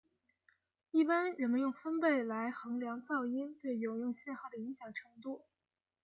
一般人们用分贝来衡量噪音对有用信号的影响程度。